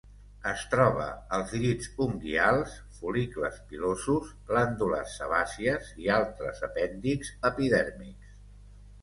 Es troba als llits unguials, fol·licles pilosos, glàndules sebàcies i altres apèndixs epidèrmics.